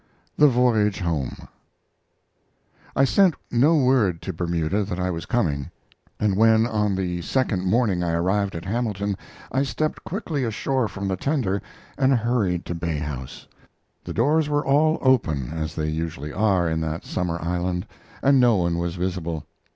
THE VOYAGE HOME I sent no word to Bermuda that I was coming, and when on the second morning I arrived at Hamilton, I stepped quickly ashore from the tender and hurried to Bay House. The doors were all open, as they usually are in that summer island, and no one was visible.